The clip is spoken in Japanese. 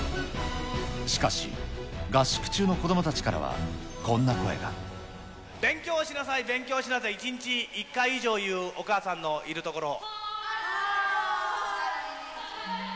しかし、合宿中の子どもたちから勉強しなさい、勉強しなさい、１日１回以上言うお母さんのいるところ。